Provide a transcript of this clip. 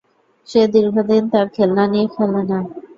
সে দীর্ঘদিন তার খেলনা নিয়ে খেলে না।